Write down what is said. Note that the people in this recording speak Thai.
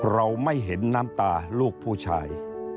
เราไม่เห็นน้ำตาลูกผู้ชาย